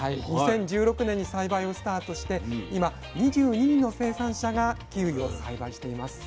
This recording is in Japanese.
２０１６年に栽培をスタートして今２２人の生産者がキウイを栽培しています。